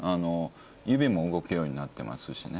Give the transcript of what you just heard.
指も動くようになってますしね。